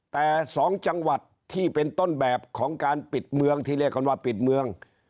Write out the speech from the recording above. แต่๒จังหวัดที่เป็นต้นแบบของการปิดเมืองที่เรียกกันว่าปิดเมือง